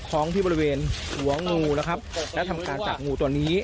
ของที่บริเวณหัวงูนะครับและทำการจับงูตัวนี้